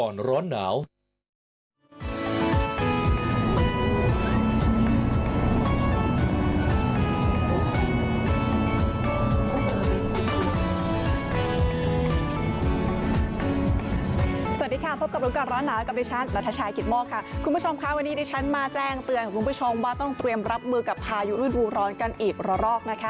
สวัสดีค่ะพบกับรู้ก่อนร้อนหนาวกับดิฉันนัทชายกิตโมกค่ะคุณผู้ชมค่ะวันนี้ดิฉันมาแจ้งเตือนคุณผู้ชมว่าต้องเตรียมรับมือกับพายุฤดูร้อนกันอีกระรอกนะคะ